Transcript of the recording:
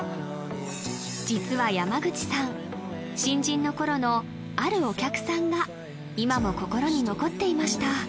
実は山口さん新人の頃のあるお客さんが今も心に残っていました